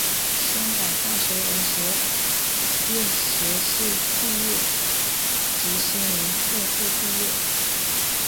香港大学文学院学士毕业及新闻硕士毕业。